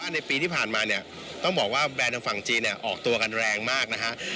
ในปีที่ผ่านมาเนี่ยต้องบอกว่าแบรนด์ทางฝั่งจีนเนี่ยออกตัวกันแรงมากนะฮะ